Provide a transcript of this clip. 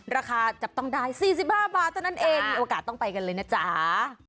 ราคาจับต้องได้๔๕บาทเท่านั้นเองมีโอกาสต้องไปกันเลยนะจ๊ะ